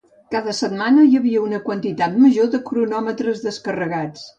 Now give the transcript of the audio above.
Cada setmana hi havia una quantitat major de cronòmetres descarregats.